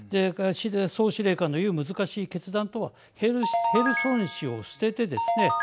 総司令官の言う難しい決断とはヘルソン市を捨ててですね